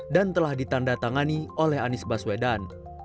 dan telah ditanda tangani oleh anies baswedan